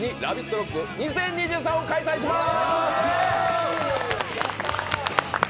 ロック２０２３」を開催します。